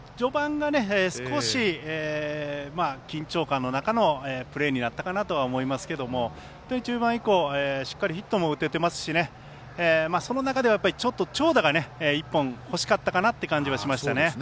序盤が少し緊張感の中のプレーになったかなとは思いますけど、本当に中盤以降、しっかりヒットも打ててますしねその中では、長打が１本欲しかったかなという感じがしましたね。